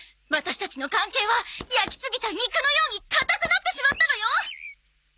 ワタシたちの関係は焼きすぎた肉のように硬くなってしまったのよ！